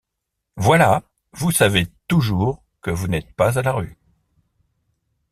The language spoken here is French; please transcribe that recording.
Voilà, vous savez toujours que vous n’êtes pas à la rue.